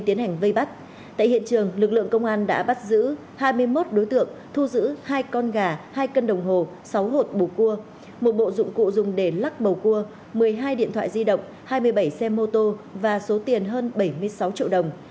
trong trường lực lượng công an đã bắt giữ hai mươi một đối tượng thu giữ hai con gà hai cân đồng hồ sáu hột bù cua một bộ dụng cụ dùng để lắc bầu cua một mươi hai điện thoại di động hai mươi bảy xe mô tô và số tiền hơn bảy mươi sáu triệu đồng